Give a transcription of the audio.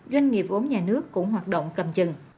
doanh nghiệp vốn nhà nước cũng hoạt động cầm chừng